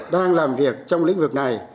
đang làm việc trong lĩnh vực này